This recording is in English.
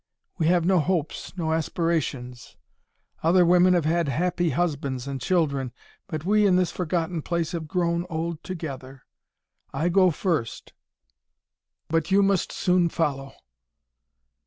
We have no hopes, no aspirations; other women have had happy husbands and children, but we in this forgotten place have grown old together. I go first, but you must soon follow."